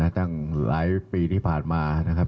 ตั้งหลายปีที่ผ่านมานะครับ